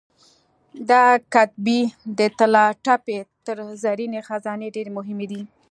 دا کتیبې د طلاتپې تر زرینې خزانې ډېرې مهمې دي.